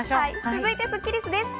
続いてスッキりすです。